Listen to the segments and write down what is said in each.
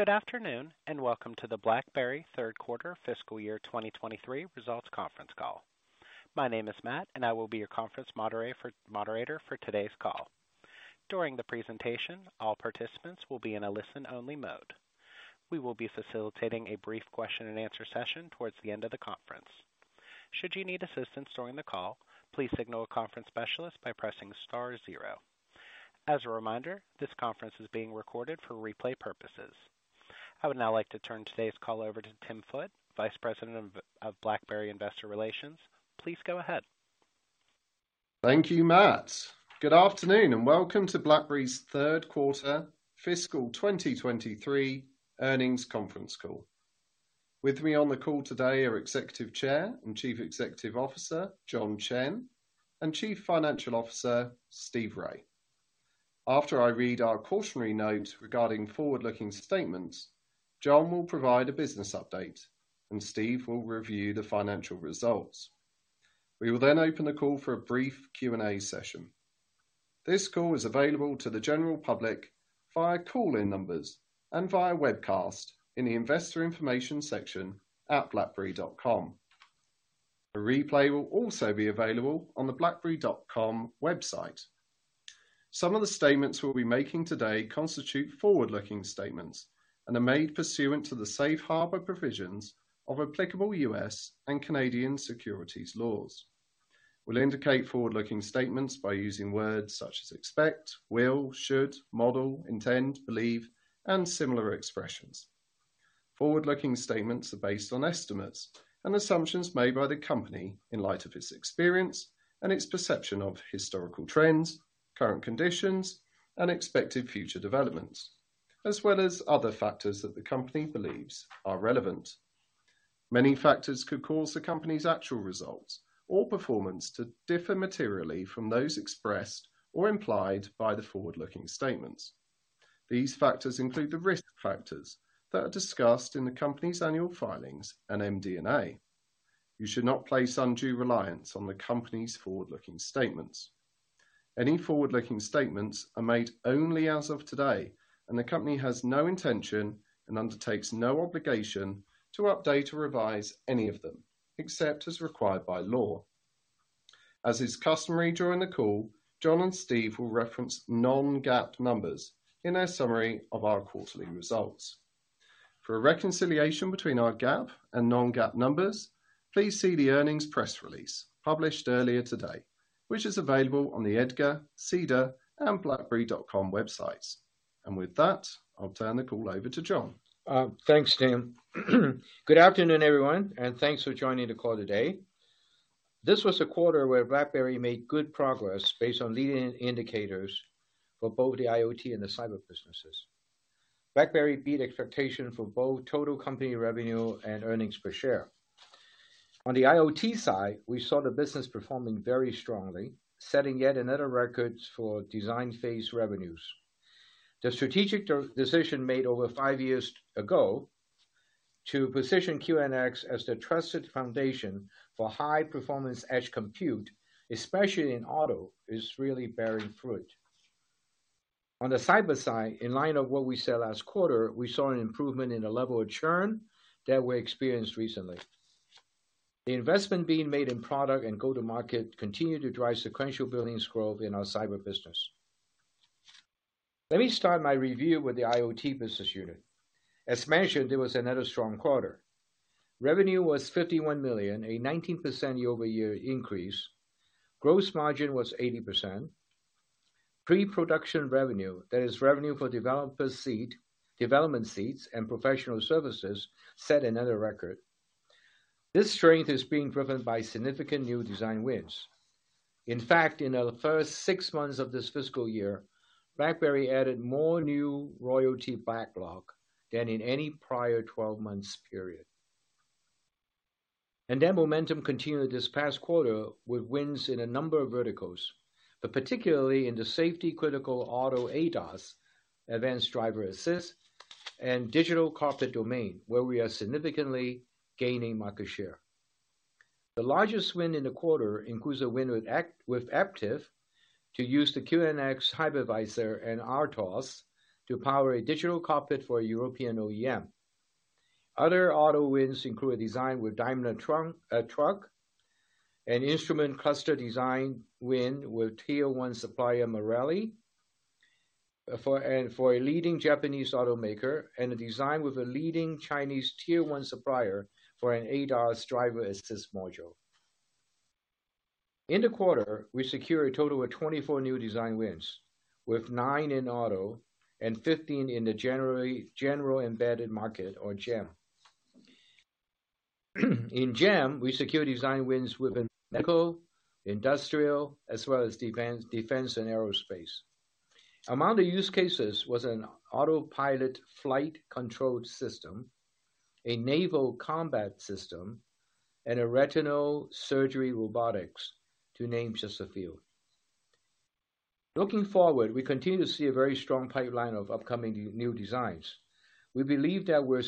Good afternoon, welcome to the BlackBerry Third Quarter Fiscal Year 2023 Results Conference Call. My name is Matt, and I will be your conference moderator for today's call. During the presentation, all participants will be in a listen-only mode. We will be facilitating a brief question and answer session towards the end of the conference. Should you need assistance during the call, please signal a conference specialist by pressing star zero. As a reminder, this conference is being recorded for replay purposes. I would now like to turn today's call over to Tim Foote, Vice President of BlackBerry Investor Relations. Please go ahead. Thank you Matt. Good afternoon, and welcome to BlackBerry's third quarter fiscal 2023 earnings conference call. With me on the call today are Executive Chair and Chief Executive Officer, John Chen, and Chief Financial Officer, Steve Rai. After I read our cautionary note regarding forward-looking statements, John will provide a business update, and Steve will review the financial results. We will then open the call for a brief Q&A session. This call is available to the general public via call-in numbers and via webcast in the investor information section at blackberry.com. A replay will also be available on the blackberry.com website. Some of the statements we'll be making today constitute forward-looking statements and are made pursuant to the safe harbor provisions of applicable U.S. and Canadian securities laws. We'll indicate forward-looking statements by using words such as expect, will, should, model, intend, believe, and similar expressions. Forward-looking statements are based on estimates and assumptions made by the company in light of its experience and its perception of historical trends, current conditions, and expected future developments, as well as other factors that the company believes are relevant. Many factors could cause the company's actual results or performance to differ materially from those expressed or implied by the forward-looking statements. These factors include the risk factors that are discussed in the company's annual filings and MD&A. You should not place undue reliance on the company's forward-looking statements. Any forward-looking statements are made only as of today, and the company has no intention and undertakes no obligation to update or revise any of them, except as required by law. As is customary during the call, John and Steve will reference non-GAAP numbers in their summary of our quarterly results. For a reconciliation between our GAAP and non-GAAP numbers, please see the earnings press release published earlier today, which is available on the EDGAR, SEDAR, and blackberry.com websites. With that, I'll turn the call over to John. Thanks Tim. Good afternoon everyone and thanks for joining the call today. This was a quarter where BlackBerry made good progress based on leading indicators for both the IoT and the Cyber businesses. BlackBerry beat expectation for both total company revenue and earnings per share. On the IoT side, we saw the business performing very strongly, setting yet another records for design phase revenues. The strategic de-decision made over five years ago to position QNX as the trusted foundation for high-performance edge compute, especially in auto, is really bearing fruit. On the Cyber side, in line of what we said last quarter, we saw an improvement in the level of churn that we experienced recently. The investment being made in product and go-to-market continued to drive sequential billings growth in our Cyber business. Let me start my review with the IoT business unit. As mentioned, it was another strong quarter. Revenue was $51 million, a 19% year-over-year increase. Gross margin was 80%. Pre-production revenue, that is revenue for developer seat, development seats and professional services, set another record. This strength is being driven by significant new design wins. In fact, in the first six months of this fiscal year, BlackBerry added more new royalty backlog than in any prior 12 months period. That momentum continued this past quarter with wins in a number of verticals, but particularly in the safety critical auto ADAS, advanced driver assist, and digital cockpit domain, where we are significantly gaining market share. The largest win in the quarter includes a win with act with Aptiv to use the QNX Hypervisor and RTOS to power a digital cockpit for a European OEM. Other auto wins include a design with Daimler Truck, an instrument cluster design win with tier one supplier Marelli, for a leading Japanese automaker, and a design with a leading Chinese tier one supplier for an ADAS driver assist module. In the quarter, we secured a total of 24 new design wins, with nine in auto and 15 in the general embedded market or GEM. In GEM, we secured design wins within medical, industrial, as well as defense and aerospace. Among the use cases was an autopilot flight control system, a naval combat system, and a retinal surgery robotics, to name just a few. Looking forward, we continue to see a very strong pipeline of upcoming new designs. We believe that we're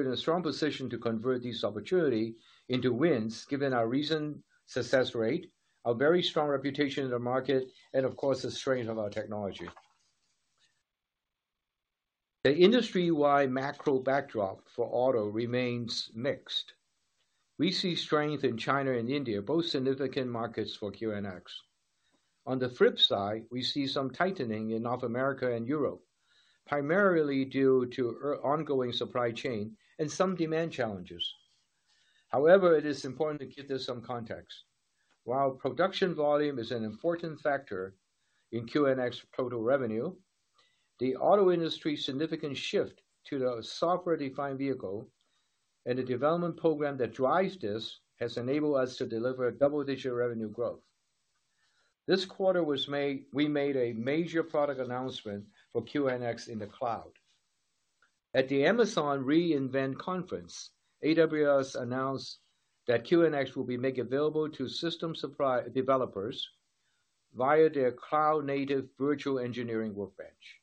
in a strong position to convert this opportunity into wins given our recent success rate. Our very strong reputation in the market, of course, the strength of our technology. The industry-wide macro backdrop for auto remains mixed. We see strength in China and India, both significant markets for QNX. The flip side, we see some tightening in North America and Europe, primarily due to ongoing supply chain and some demand challenges. It is important to give this some context. While production volume is an important factor in QNX total revenue, the auto industry's significant shift to the software-defined vehicle and the development program that drives this has enabled us to deliver double-digit revenue growth. We made a major product announcement for QNX in the cloud. At the Amazon re:Invent conference, AWS announced that QNX will be made available to system supply developers via their cloud-native virtual engineering workbench.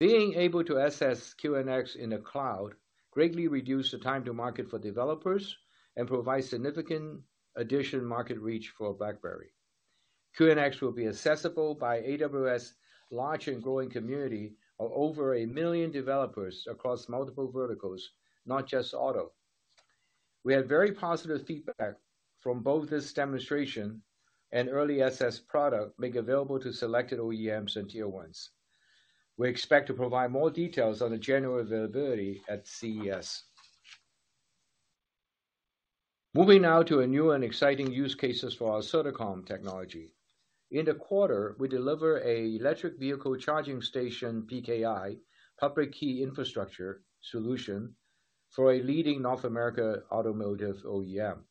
Being able to access QNX in the cloud greatly reduce the time to market for developers and provide significant additional market reach for BlackBerry. QNX will be accessible by AWS large and growing community of over one million developers across multiple verticals, not just auto. We had very positive feedback from both this demonstration and early access product made available to selected OEMs and tier ones. We expect to provide more details on the general availability at CES. Moving now to a new and exciting use cases for our Certicom technology. In the quarter, we deliver a electric vehicle charging station PKI, public key infrastructure solution for a leading North America automotive OEM.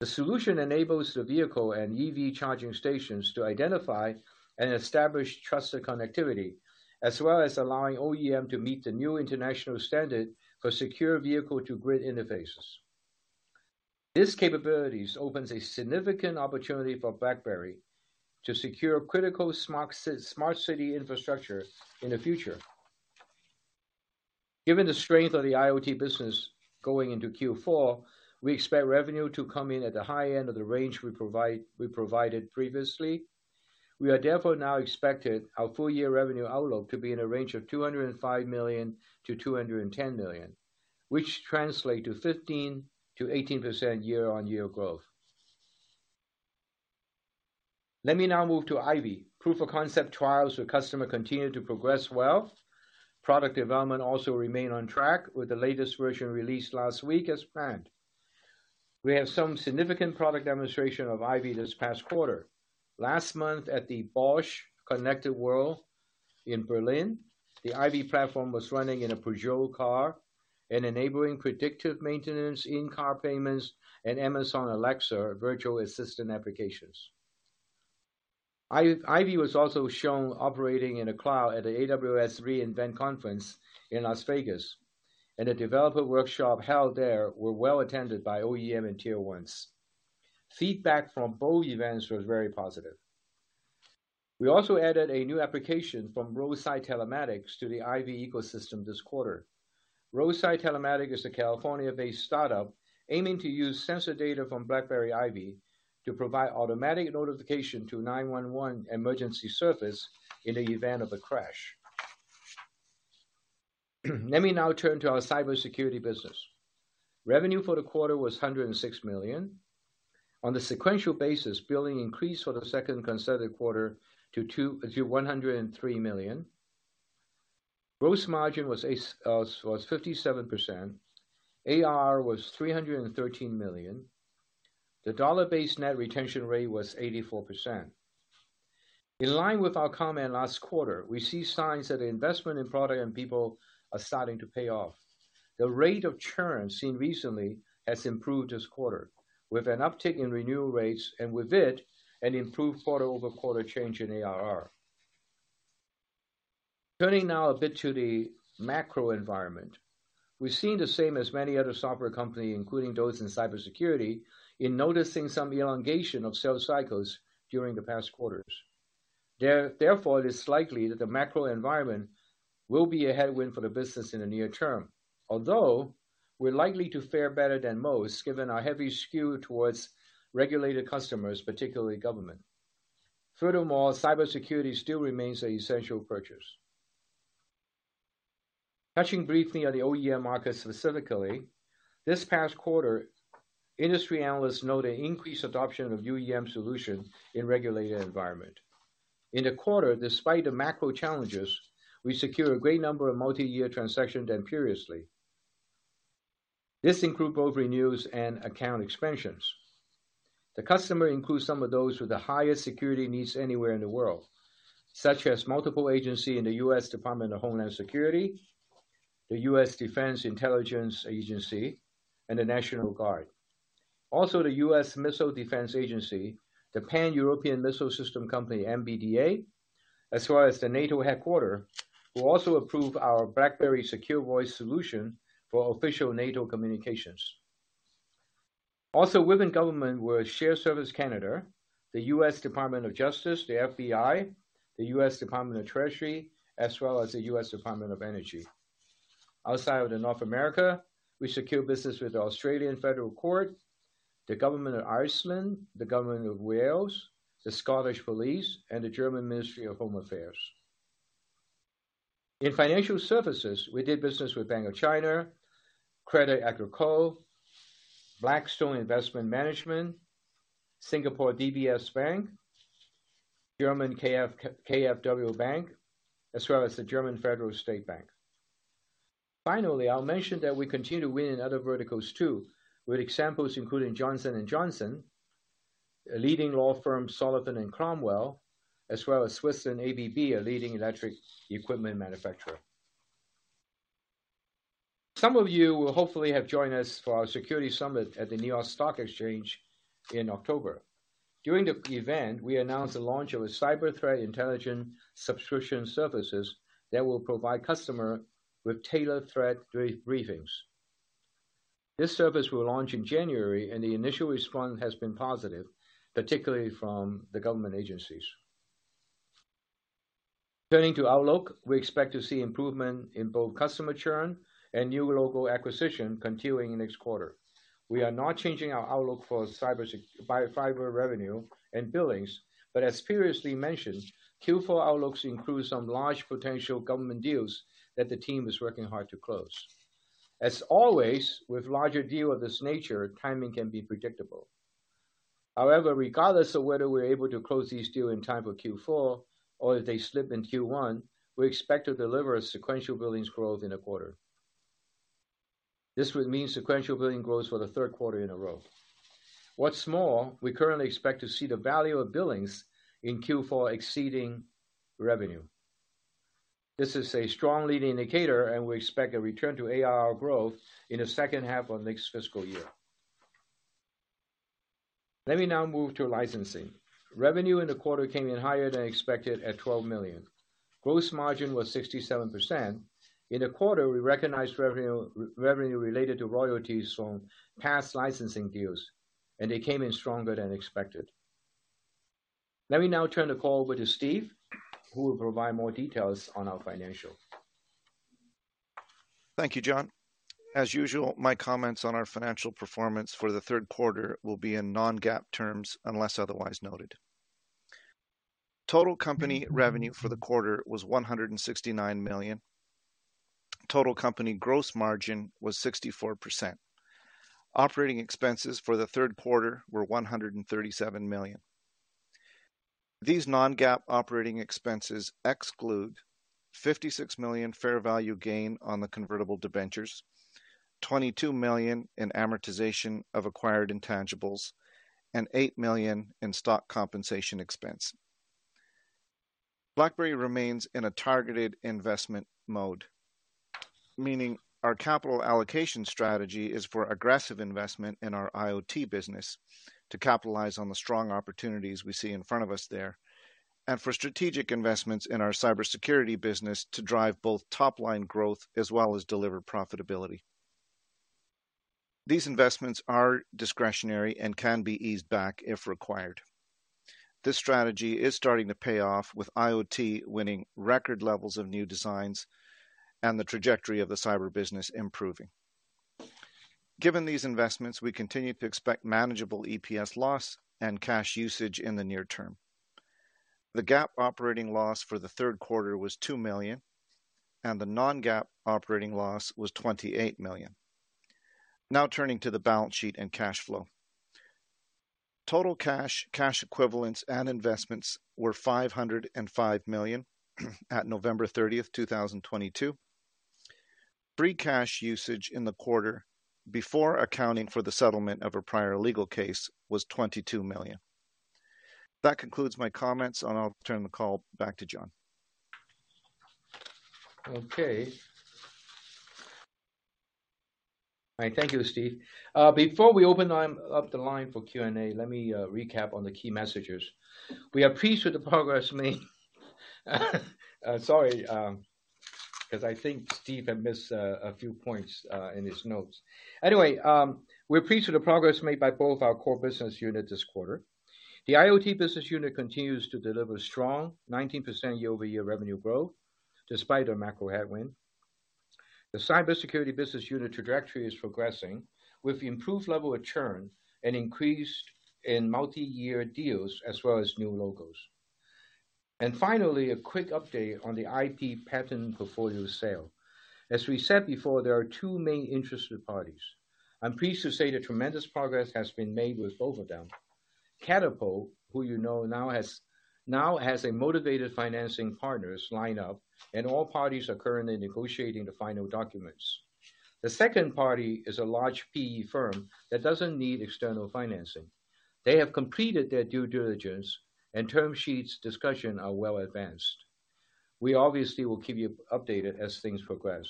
The solution enables the vehicle and EV charging stations to identify and establish trusted connectivity, as well as allowing OEM to meet the new international standard for secure vehicle-to-grid interfaces. These capabilities open a significant opportunity for BlackBerry to secure critical smart city infrastructure in the future. Given the strength of the IoT business going into Q4, we expect revenue to come in at the high end of the range we provided previously. We are therefore now expect our full-year revenue outlook to be in a range of $205 million to $210 million, which translates to 15%-18% year-on-year growth. Let me now move to IVY. Proof of concept trials with customer continue to progress well. Product development also remains on track with the latest version released last week as planned. We have some significant product demonstration of IVY this past quarter. Last month at the Bosch Connected World in Berlin, the IVY platform was running in a Peugeot car and enabling predictive maintenance, in-car payments, and Amazon Alexa virtual assistant applications. IVY was also shown operating in a cloud at the AWS re:Invent conference in Las Vegas. A developer workshop held there were well attended by OEM and Tier 1s. Feedback from both events was very positive. We also added a new application from Roadside Telematics to the IVY ecosystem this quarter. Roadside Telematics is a California-based startup aiming to use sensor data from BlackBerry IVY to provide automatic notification to 911 emergency service in the event of a crash. Let me now turn to our cybersecurity business. Revenue for the quarter was $106 million. On the sequential basis, billing increased for the second consecutive quarter to $103 million. Gross margin was 57%. ARR was $313 million. The dollar-based net retention rate was 84%. In line with our comment last quarter, we see signs that investment in product and people are starting to pay off. The rate of churn seen recently has improved this quarter with an uptick in renewal rates, and with it, an improved quarter-over-quarter change in ARR. Turning now a bit to the macro environment. We've seen the same as many other software company, including those in cybersecurity, in noticing some elongation of sales cycles during the past quarters. Therefore, it is likely that the macro environment will be a headwind for the business in the near term. We're likely to fare better than most, given our heavy skew towards regulated customers, particularly government. Cybersecurity still remains an essential purchase. Touching briefly on the OEM market specifically. This past quarter, industry analysts note an increased adoption of UEM solution in regulated environment. In the quarter, despite the macro challenges, we secure a great number of multi-year transactions than previously. This include both renewals and account expansions. The customer includes some of those with the highest security needs anywhere in the world, such as multiple agency in the U.S. Department of Homeland Security, the U.S. Defense Intelligence Agency, and the National Guard. The U.S. Missile Defense Agency, the Pan-European Missile System company, MBDA, as well as the NATO headquarter, who also approve our BlackBerry Secure Voice solution for official NATO communications. Also within government were Shared Services Canada, the U.S. Department of Justice, the FBI, the U.S. Department of the Treasury, as well as the U.S. Department of Energy. Outside of the North America, we secured business with the Federal Court of Australia, the government of Iceland, the government of Wales, Police Scotland, and the Federal Ministry of the Interior. In financial services, we did business with Bank of China, Crédit Agricole, Blackstone Investment Management, Singapore DBS Bank, German KfW Bank, as well as the German Federal State Bank. I'll mention that we continue to win in other verticals too, with examples including Johnson & Johnson, a leading law firm, Sullivan & Cromwell, as well as Swiss and ABB, a leading electric equipment manufacturer. Some of you will hopefully have joined us for our security summit at the New York Stock Exchange in October. During the event, we announced the launch of a cyber threat intelligence subscription services that will provide customer with tailored threat briefings. This service will launch in January. The initial response has been positive, particularly from the government agencies. Turning to outlook. We expect to see improvement in both customer churn and new logo acquisition continuing next quarter. We are not changing our outlook for cyber revenue and billings, but as previously mentioned, Q4 outlooks include some large potential government deals that the team is working hard to close. As always, with larger deal of this nature, timing can be predictable. However, regardless of whether we're able to close these deal in time for Q4 or if they slip in Q1, we expect to deliver a sequential billings growth in the quarter. This would mean sequential billing growth for the third quarter in a row. What's more, we currently expect to see the value of billings in Q4 exceeding revenue. This is a strong leading indicator. We expect a return to ARR growth in the H2 of next fiscal year. Let me now move to licensing. Revenue in the quarter came in higher than expected at $12 million. Gross margin was 67%. In the quarter, we recognized revenue related to royalties from past licensing deals. They came in stronger than expected. Let me now turn the call over to Steve, who will provide more details on our financials. Thank you John. As usual, my comments on our financial performance for the third quarter will be in non-GAAP terms unless otherwise noted. Total company revenue for the quarter was $169 million. Total company gross margin was 64%. Operating expenses for the third quarter were $137 million. These non-GAAP operating expenses exclude $56 million fair value gain on the convertible debentures, $22 million in amortization of acquired intangibles, and $8 million in stock compensation expense. BlackBerry remains in a targeted investment mode, meaning our capital allocation strategy is for aggressive investment in our IoT business to capitalize on the strong opportunities we see in front of us there, and for strategic investments in our cybersecurity business to drive both top line growth as well as deliver profitability. These investments are discretionary and can be eased back if required. This strategy is starting to pay off with IoT winning record levels of new designs and the trajectory of the cyber business improving. Given these investments, we continue to expect manageable EPS loss and cash usage in the near term. The GAAP operating loss for the third quarter was $2 million. The non-GAAP operating loss was $28 million. Turning to the balance sheet and cash flow. Total cash equivalents, and investments were $505 million at November 30th, 2022. Free cash usage in the quarter before accounting for the settlement of a prior legal case was $22 million. That concludes my comments. I'll turn the call back to John. Okay. All right, thank you Steve. Before we open the line for Q&A, let me recap on the key messages. We are pleased with the progress made. Sorry, because I think Steve had missed a few points in his notes. Anyway, we're pleased with the progress made by both our core business units this quarter. The IoT business unit continues to deliver strong 19% year-over-year revenue growth despite a macro headwind. The cybersecurity business unit trajectory is progressing with improved level of churn and increased in multiyear deals as well as new logos. Finally, a quick update on the IP patent portfolio sale. As we said before, there are two main interested parties. I'm pleased to say that tremendous progress has been made with both of them. Catapult, who you know, now has a motivated financing partners lined up, and all parties are currently negotiating the final documents. The second party is a large PE firm that doesn't need external financing. They have completed their due diligence and term sheets discussion are well advanced. We obviously will keep you updated as things progress.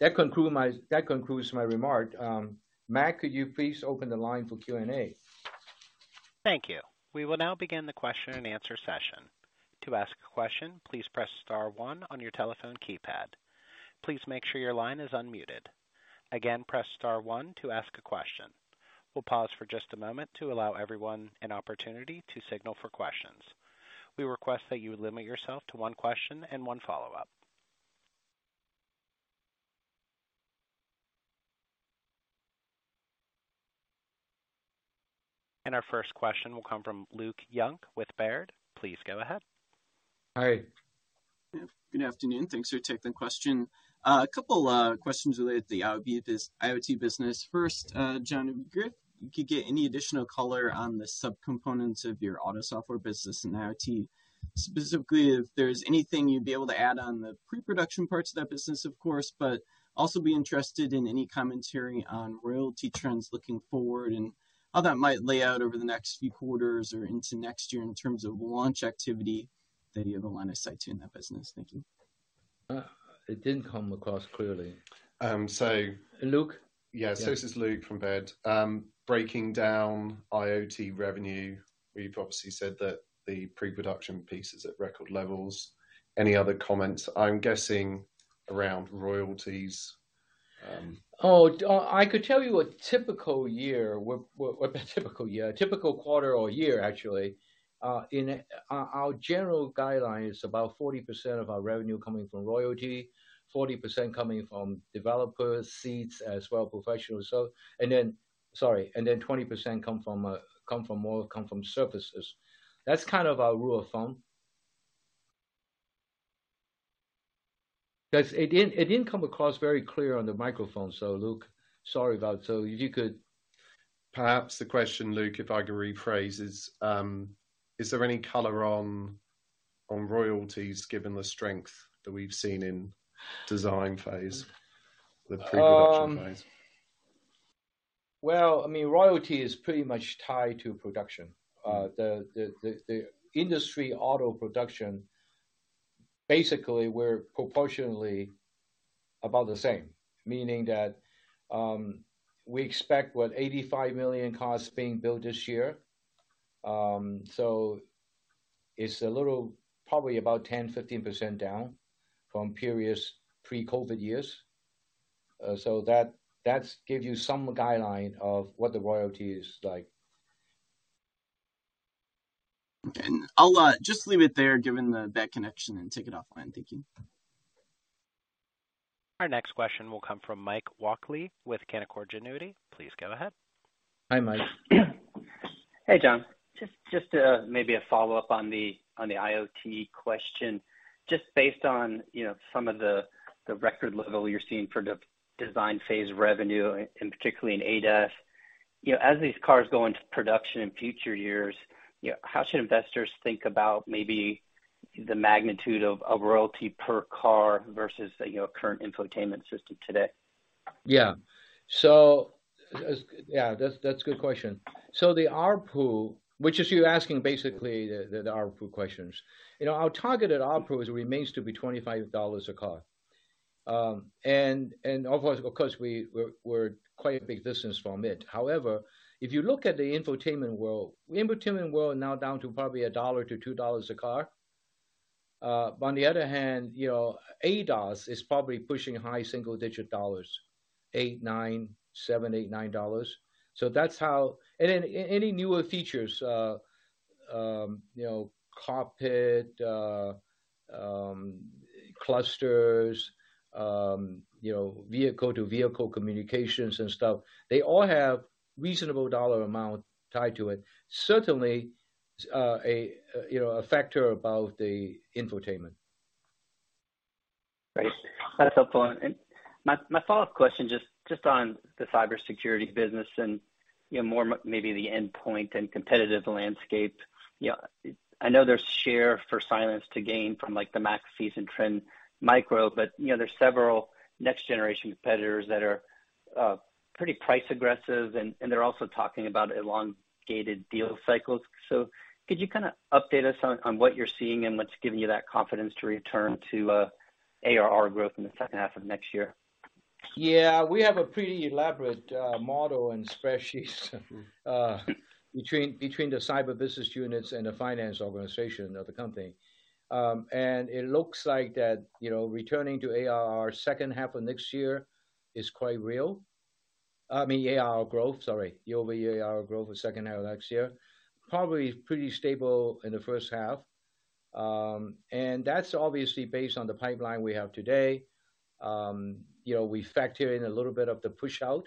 That concludes my remark. Matt, could you please open the line for Q&A? Thank you. We will now begin the question and answer session. To ask a question, please press star one on your telephone keypad. Please make sure your line is unmuted. Again, press star one to ask a question. We'll pause for just a moment to allow everyone an opportunity to signal for questions. We request that you limit yourself to one question and one follow-up. Our first question will come from Luke Junk with Baird. Please go ahead. Hi. Good afternoon. Thanks for taking the question. a couple questions related to the IoT business. First, John, if you could get any additional color on the subcomponents of your auto software business and IoT. Specifically, if there's anything you'd be able to add on the pre-production parts of that business, of course, but also be interested in any commentary on royalty trends looking forward and how that might lay out over the next few quarters or into next year in terms of launch activity that you have a line of sight to in that business. Thank you. It didn't come across clearly. Um, so. Luke? Yeah. This is Luke from Baird. Breaking down IoT revenue, where you've obviously said that the pre-production piece is at record levels. Any other comments? I'm guessing around royalties. I could tell you a typical year. What a typical year, a typical quarter or year actually, in it. Our general guideline is about 40% of our revenue coming from royalty, 40% coming from developers, seats as well, professionals. Sorry, and then 20% come from all, come from services. That's kind of our rule of thumb. That's it didn't come across very clear on the microphone, so Luke, sorry about it. If you could. Perhaps the question, Luke, if I could rephrase, is there any color on royalties given the strength that we've seen in design phase, the pre-production phase? Well, I mean, royalty is pretty much tied to production. The industry auto production, basically, we're proportionally about the same. Meaning that, we expect, what? 85 million cars being built this year. It's a little probably about 10%-15% down from previous pre-COVID years. That gives you some guideline of what the royalty is like. I'll just leave it there, given the bad connection, and take it offline. Thank you. Our next question will come from Mike Walkley with Canaccord Genuity. Please go ahead. Hi Mike. Hey John. Just maybe a follow-up on the IoT question. Just based on, you know, some of the record level you're seeing for the design phase revenue, and particularly in ADAS. You know, as these cars go into production in future years, you know, how should investors think about maybe the magnitude of royalty per car versus, you know, current infotainment system today? Yeah. That's a good question. The ARPU, which is you asking basically the ARPU questions. You know, our targeted ARPU remains to be $25 a car. Of course, we're quite a big distance from it. However, if you look at the infotainment world, the infotainment world now down to probably $1-$2 a car. On the other hand, you know, ADAS is probably pushing high single-digit dollars, $8, $9, $7, $8, $9. That's how. Any newer features, you know, cockpit, clusters, you know, vehicle-to-vehicle communications and stuff, they all have reasonable dollar amount tied to it. Certainly, a factor above the infotainment. Great. That's helpful. My follow-up question just on the cybersecurity business and, you know, more maybe the endpoint and competitive landscape. You know, I know there's share for Cylance to gain from like the McAfee, Trend Micro, but you know, there's several next generation competitors that are pretty price aggressive and they're also talking about elongated deal cycles. Could you kinda update us on what you're seeing and what's giving you that confidence to return to ARR growth in the H2 of next year? Yeah. We have a pretty elaborate model and spreadsheets between the Cyber business units and the finance organization of the company. It looks like that, you know, returning to ARR H2 of next year is quite real. I mean, ARR growth, sorry. Year-over-year ARR growth for H2 of next year. Probably pretty stable in the H1. That's obviously based on the pipeline we have today. You know, we factor in a little bit of the push out,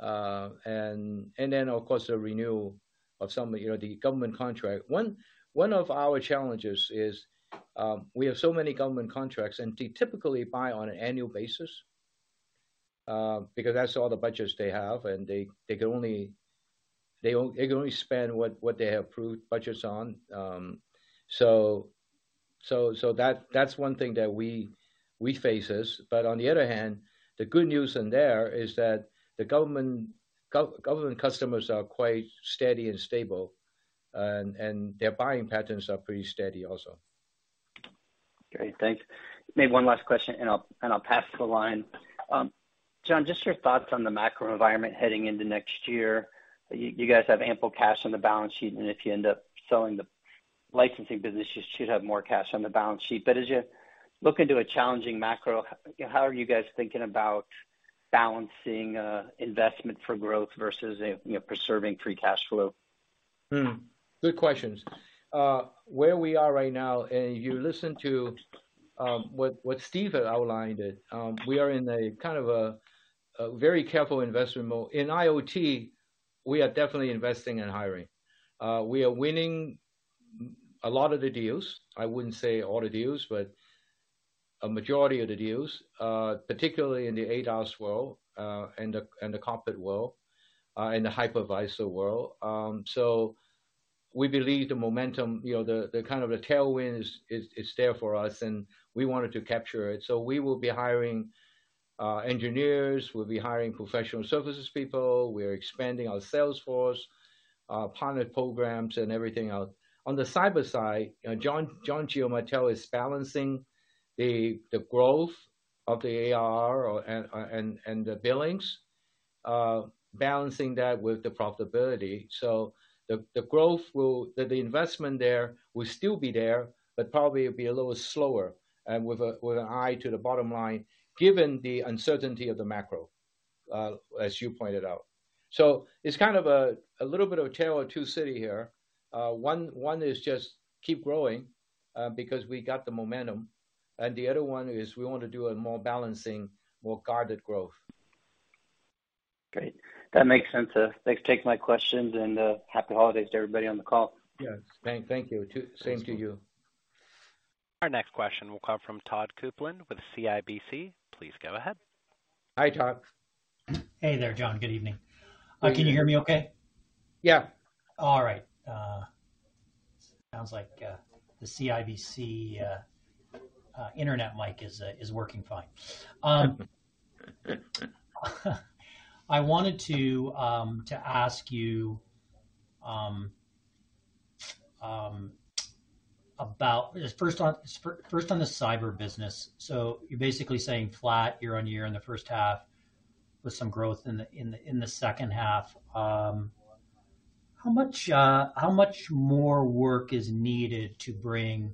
and then of course, the renewal of some of, you know, the government contract. One of our challenges is, we have so many government contracts, and they typically buy on an annual basis, because that's all the budgets they have, and they can only spend what they have approved budgets on. That's one thing that we faces. On the other hand, the good news in there is that the government customers are quite steady and stable, and their buying patterns are pretty steady also. Great. Thanks. Maybe one last question, I'll pass the line. John, just your thoughts on the macro environment heading into next year. You guys have ample cash on the balance sheet, if you end up selling the Licensing businesses should have more cash on the balance sheet. As you look into a challenging macro, how are you guys thinking about balancing investment for growth versus, you know, preserving free cash flow? Good questions. Where we are right now, and you listen to what Steve had outlined it, we are in a kind of a very careful investment mode. In IoT, we are definitely investing and hiring. We are winning a lot of the deals, I wouldn't say all the deals, but a majority of the deals, particularly in the ADAS world, and the cockpit world, in the hypervisor world. We believe the momentum, you know, the kind of the tailwind is there for us, and we wanted to capture it. We will be hiring engineers, we'll be hiring professional services people, we're expanding our sales force, pilot programs and everything else. On the cyber side, you know, John Giamatteo is balancing the growth of the ARR or, and, and the billings, balancing that with the profitability. The investment there will still be there, but probably it'll be a little slower, and with an eye to the bottom line, given the uncertainty of the macro, as you pointed out. It's kind of a little bit of a tale of two city here. One is just keep growing, because we got the momentum, and the other one is we want to do a more balancing, more guarded growth. Great. That makes sense. Thanks for taking my questions and happy holidays to everybody on the call. Yes. Thank you. That's cool. Same to you. Our next question will come from Todd Coupland with CIBC. Please go ahead. Hi Todd. Hey there John. Good evening. Good evening. Can you hear me okay? Yeah. All right. Sounds like the CIBC internet mic is working fine. I wanted to ask you about first on the cyber business. You're basically saying flat year-over-year in the H1 with some growth in the H2. How much more work is needed to bring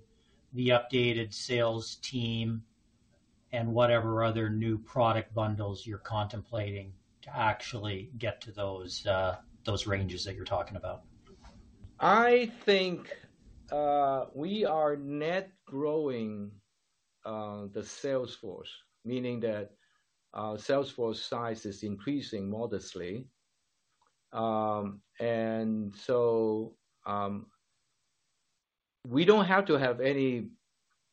the updated sales team and whatever other new product bundles you're contemplating to actually get to those ranges that you're talking about? I think we are net growing the sales force, meaning that our sales force size is increasing modestly. So we don't have to have any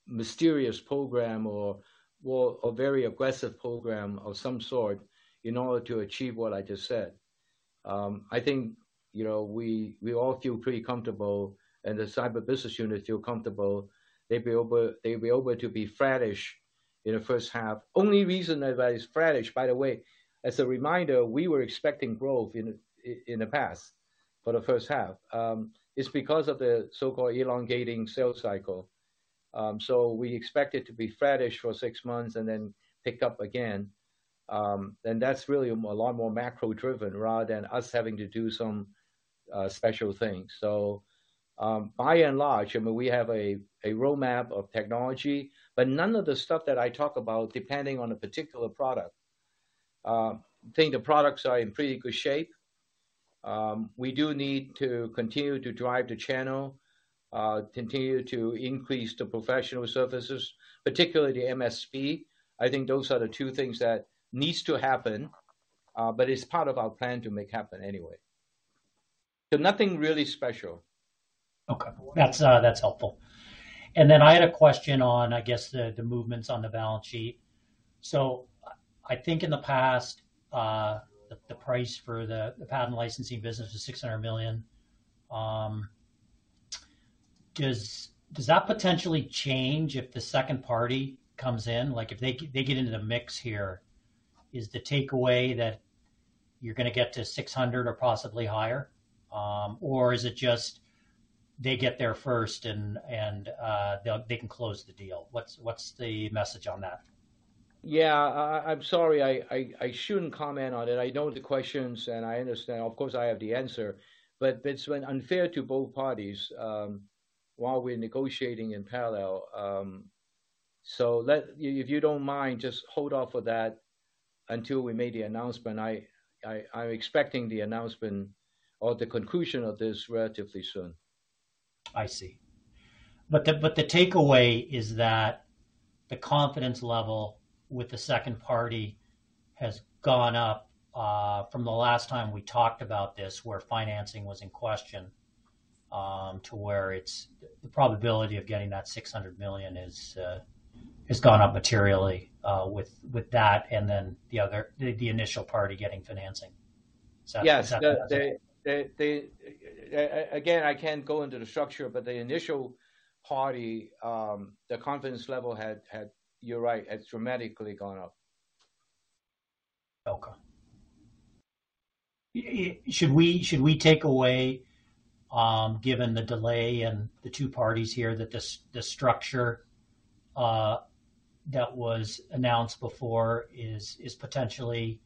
mysterious program or a very aggressive program of some sort in order to achieve what I just said. I think, you know, we all feel pretty comfortable and the Cybersecurity Business Unit feel comfortable. They'll be able to be flattish in the H1. Only reason that that is flattish, by the way, as a reminder, we were expecting growth in the past for the H1. It's because of the so-called elongating sales cycle. So we expect it to be flattish for 6 months and then pick up again. That's really a lot more macro-driven rather than us having to do some special things. By and large, I mean, we have a roadmap of technology, none of the stuff that I talk about depending on a particular product. Think the products are in pretty good shape. We do need to continue to drive the channel, continue to increase the professional services, particularly the MSP. I think those are the two things that needs to happen, it's part of our plan to make happen anyway. Nothing really special. Okay. That's helpful. I had a question on, I guess, the movements on the balance sheet. I think in the past, the price for the patent licensing business was $600 million. Does that potentially change if the second party comes in? Like, if they get into the mix here, is the takeaway that you're gonna get to $600 or possibly higher? Or is it just they get there first and they can close the deal? What's the message on that? I'm sorry, I shouldn't comment on it. I know the questions and I understand. Of course, I have the answer, but that's when unfair to both parties while we're negotiating in parallel. If you don't mind, just hold off for that until we made the announcement. I'm expecting the announcement or the conclusion of this relatively soon. I see. The takeaway is that the confidence level with the second party has gone up from the last time we talked about this, where financing was in question, to where the probability of getting that $600 million has gone up materially with that and then the other, the initial party getting financing. Is that? Yes. Is that the message? The, again, I can't go into the structure, but the initial party, the confidence level had, you're right, had dramatically gone up. Okay. Should we take away, given the delay and the two parties here, that the structure that was announced before is potentially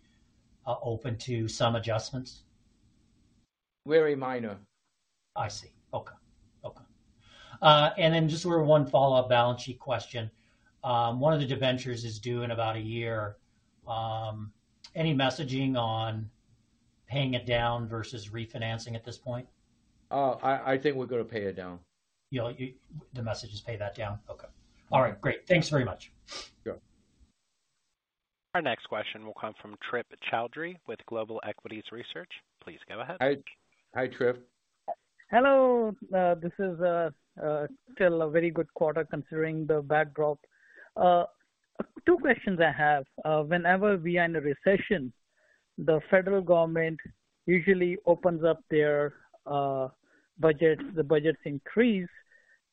open to some adjustments? Very minor. I see. Okay. Okay. Just sort of one follow-up balance sheet question. One of the debentures is due in about a year. Any messaging on paying it down versus refinancing at this point? I think we're gonna pay it down. The message is pay that down? Okay. All right, great. Thanks very much. Sure. Our next question will come from Trip Chowdhry with Global Equities Research. Please go ahead. Hi Trip. Hello. This is still a very good quarter considering the backdrop. Two questions I have. Whenever we are in a recession, the federal government usually opens up their budget. The budgets increase.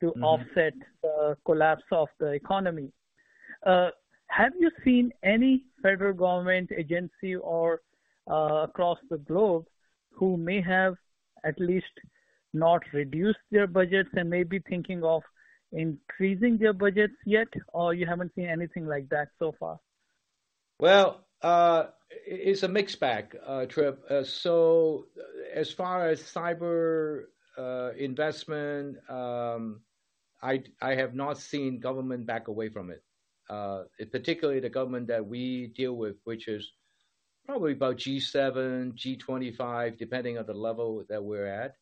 Mm-hmm. To offset the collapse of the economy. Have you seen any federal government agency or across the globe who may have at least not reduced their budgets and may be thinking of increasing their budgets yet, or you haven't seen anything like that so far? Well, it's a mixed bag, Trip. As far as cyber investment, I have not seen government back away from it. Particularly the government that we deal with, which is probably about G7, G25, depending on the level that we're at.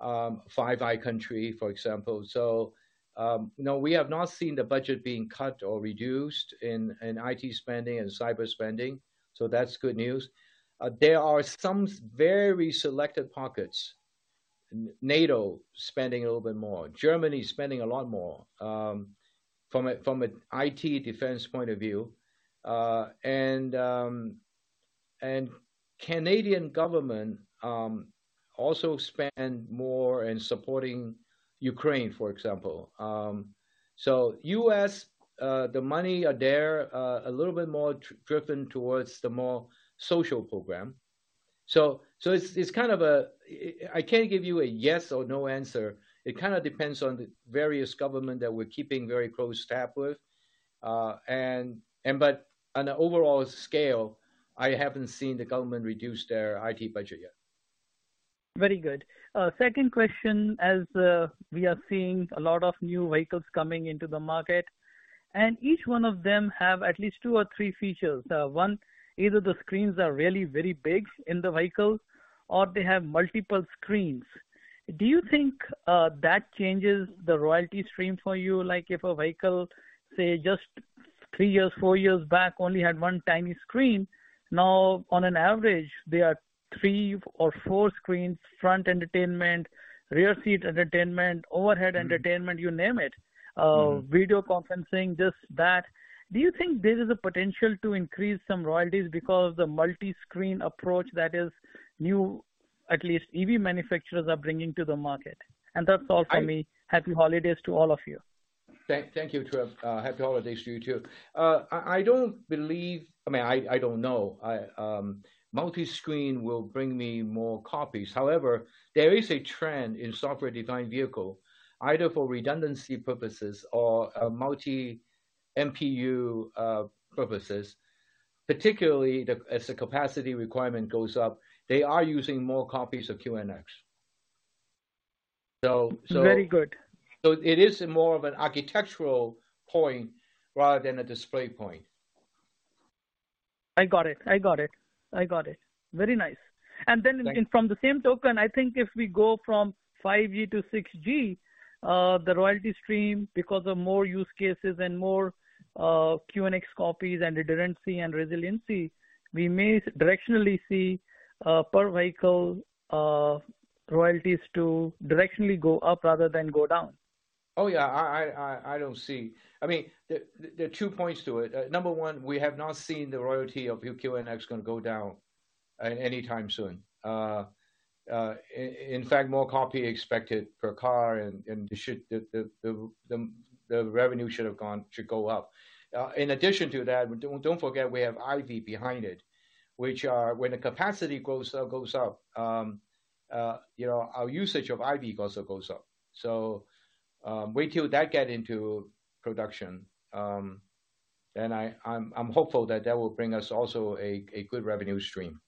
Five Eyes country, for example. No, we have not seen the budget being cut or reduced in IT spending and cyber spending, so that's good news. There are some very selective pockets. NATO spending a little bit more. Germany is spending a lot more from an IT defense point of view. Canadian government also spend more in supporting Ukraine, for example. U.S., the money are there, a little bit more driven towards the more social program. It's kind of a. I can't give you a yes or no answer. It kind of depends on the various government that we're keeping very close tab with. And on the overall scale, I haven't seen the government reduce their IT budget yet. Very good. second question, as, we are seeing a lot of new vehicles coming into the market, and each one of them have at least two or three features. One, either the screens are really very big in the vehicle or they have multiple screens. Do you think that changes the royalty stream for you? Like if a vehicle, say, just three years, four years back only had 1 tiny screen, now on an average, there are three or four screens, front entertainment, rear seat entertainment, overhead entertainment, you name it. Mm-hmm. Video conferencing, just that. Do you think there is a potential to increase some royalties because of the multi-screen approach that is new, at least EV manufacturers are bringing to the market? That's all from me. I mean. Happy holidays to all of you. Thank you Trip. Happy holidays to you too. I don't believe. I mean, I don't know. I multi-screen will bring me more copies. However, there is a trend in software-defined vehicle, either for redundancy purposes or multi MPU purposes, particularly as the capacity requirement goes up, they are using more copies of QNX. Very good. It is more of an architectural point rather than a display point. I got it, I got it. I got it. Very nice. Thank you. From the same token, I think if we go from 5G-6G, the royalty stream, because of more use cases and more QNX copies and redundancy and resiliency, we may directionally see per vehicle royalties to directionally go up rather than go down. Oh, yeah. I don't see, I mean, there are two points to it. Number one, we have not seen the royalty of QNX gonna go down at any time soon. In fact, more copy expected per car and it should... The revenue should go up. In addition to that, don't forget we have IVY behind it, which are when the capacity grows, goes up, you know, our usage of IVY also goes up. Wait till that get into production, then I'm hopeful that that will bring us also a good revenue stream.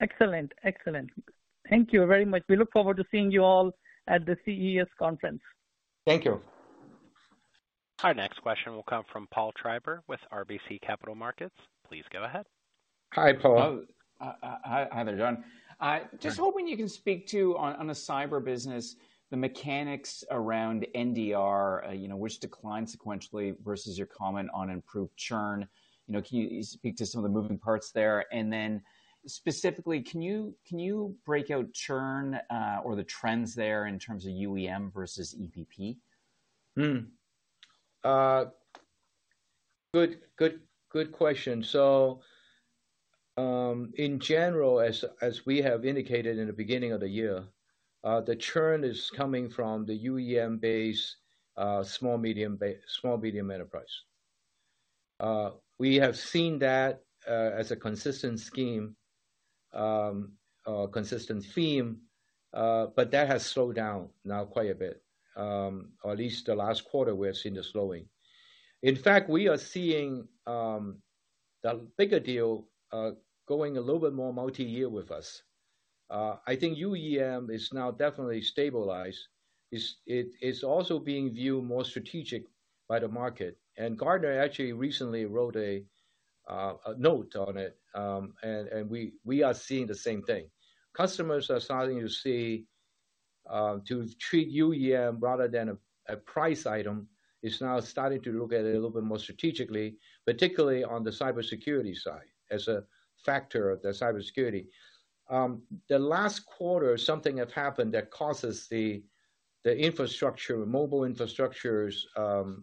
Excellent. Excellent. Thank you very much. We look forward to seeing you all at the CES conference. Thank you. Our next question will come from Paul Treiber with RBC Capital Markets. Please go ahead. Hi Paul. Hello. Hi there John. Yeah. Just hoping you can speak to, on the cyber business, the mechanics around NDR, you know, which declined sequentially versus your comment on improved churn. You know, can you speak to some of the moving parts there? Then specifically, can you break out churn or the trends there in terms of UEM versus EPP? Good question. In general, as we have indicated in the beginning of the year, the churn is coming from the UEM base, small, medium enterprise. We have seen that as a consistent scheme or consistent theme, but that has slowed down now quite a bit. Or at least the last quarter we have seen a slowing. In fact, we are seeing the bigger deal going a little bit more multi-year with us. I think UEM is now definitely stabilized. It's also being viewed more strategic by the market. Gartner actually recently wrote a note on it, and we are seeing the same thing. Customers are starting to see to treat UEM rather than a price item, it's now starting to look at it a little bit more strategically, particularly on the cybersecurity side, as a factor of the cybersecurity. The last quarter, something have happened that causes the infrastructure, mobile infrastructure's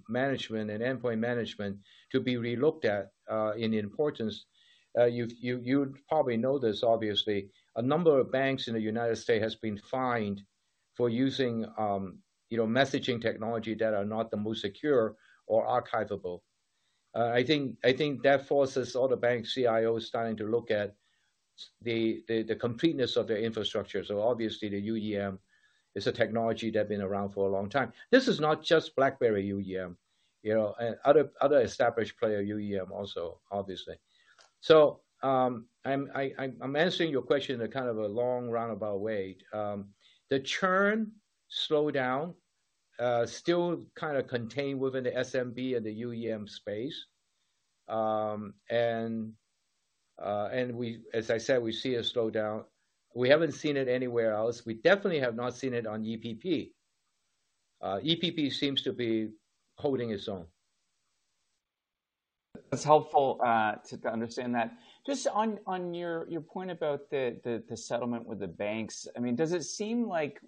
management and endpoint management to be re-looked at in importance. You probably know this obviously. A number of banks in the United States has been fined for using, you know, messaging technology that are not the most secure or archivable. I think that forces all the bank CIOs starting to look at the completeness of their infrastructure. Obviously the UEM is a technology that been around for a long time. This is not just BlackBerry UEM, you know, other established player UEM also obviously. I'm answering your question in a kind of a long roundabout way. The churn slowed down, still kind of contained within the SMB and the UEM space. As I said, we see a slowdown. We haven't seen it anywhere else. We definitely have not seen it on EPP. EPP seems to be holding its own. That's helpful to understand that. Just on your point about the settlement with the banks. I mean, does it seem like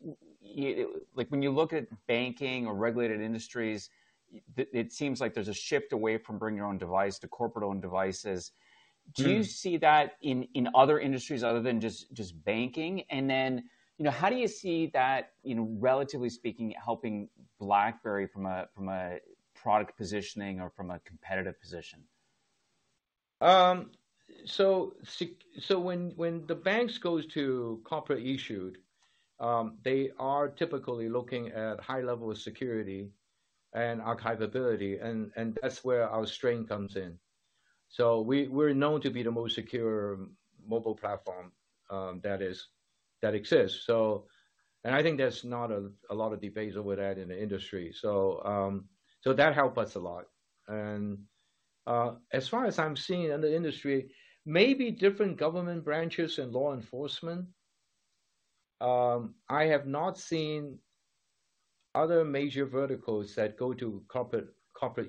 when you look at banking or regulated industries, it seems like there's a shift away from bring your own device to corporate-owned devices? Mm. Do you see that in other industries other than just banking? You know, how do you see that, you know, relatively speaking, helping BlackBerry from a product positioning or from a competitive position? When the banks goes to corporate issued, they are typically looking at high level of security and archivability, and that's where our strength comes in. We're known to be the most secure mobile platform that exists. I think there's not a lot of debates over that in the industry. That help us a lot. As far as I'm seeing in the industry, maybe different government branches and law enforcement. I have not seen other major verticals that go to corporate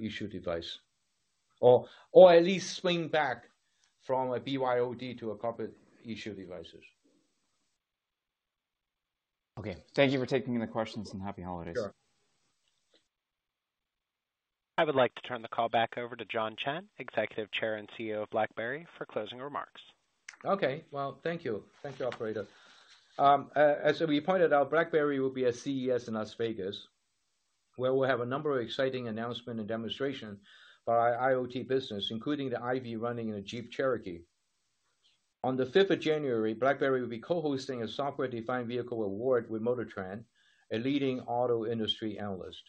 issue device, or at least swing back from a BYOD to a corporate issue devices. Okay. Thank you for taking the questions. Happy holidays. Sure. I would like to turn the call back over to John Chen, Executive Chair and CEO of BlackBerry, for closing remarks. Okay. Well, thank you. Thank you, operator. As we pointed out, BlackBerry will be at CES in Las Vegas, where we'll have a number of exciting announcement and demonstration for our IoT business, including the IVY running in a Jeep Cherokee. On the 5th of January, BlackBerry will be co-hosting a software-defined vehicle award with MotorTrend, a leading auto industry analyst.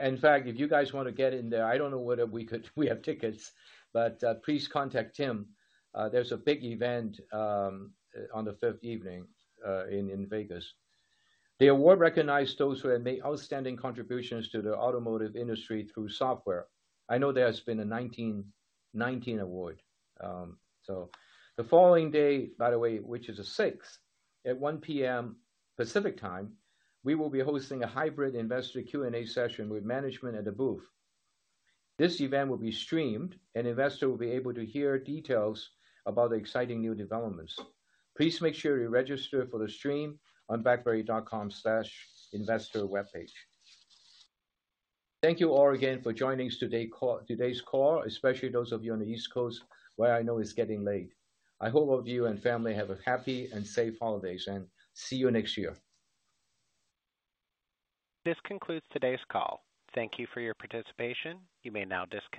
In fact, if you guys wanna get in there, I don't know whether we could have tickets, but please contact Tim. There's a big event on the 5th evening in Vegas. The award recognize those who have made outstanding contributions to the automotive industry through software. I know there has been a 19 award. The following day, by the way, which is the 6th, at 1:00 P.M. Pacific Time, we will be hosting a hybrid investor Q&A session with management at the booth. This event will be streamed, and investor will be able to hear details about the exciting new developments. Please make sure you register for the stream on blackberry.com/investor webpage. Thank you all again for joining us today's call, especially those of you on the East Coast, where I know it's getting late. I hope all of you and family have a happy and safe holidays. See you next year. This concludes today's call. Thank you for your participation. You may now disconnect.